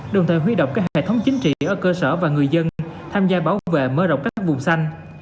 đồng thời huy động các hệ thống chính trị ở cơ sở và người dân tham gia bảo vệ mở rộng các vùng xanh